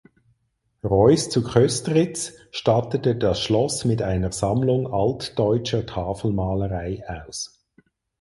Reuß zu Köstritz stattete das Schloss mit einer Sammlung altdeutscher Tafelmalerei aus.